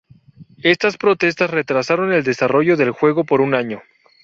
Estas protestas retrasaron el desarrollo del juego por un año.